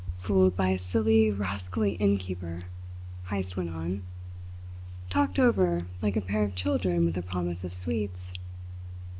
"Fooled by a silly, rascally innkeeper!" Heyst went on. "Talked over like a pair of children with a promise of sweets!"